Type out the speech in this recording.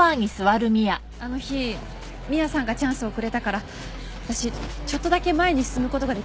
あの日ミアさんがチャンスをくれたから私ちょっとだけ前に進むことができました。